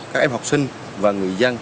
các em học sinh và người dân